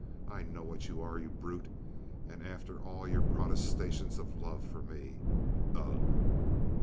I know what you are, you brute! And after all your protestations of love for me! Ugh!"